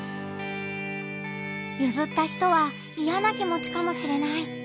ゆずった人はイヤな気持ちかもしれない。